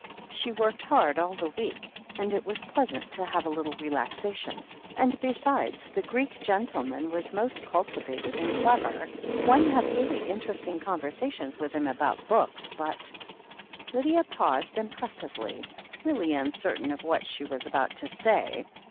She worked hard all the week, and it was pleasant to have a little relaxation, and, besides, the Greek gen tleman was most cultivated and clever — one had really interesting conversations with him about books. But Lydia paused impressively, really uncertain of what she was about to say.